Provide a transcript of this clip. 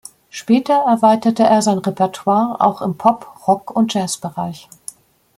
Später erweiterte er sein Repertoire auch im Pop-, Rock- und Jazzbereich.